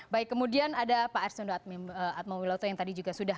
baik kemudian ada pak arswendo atmowiloto yang tadi juga sudah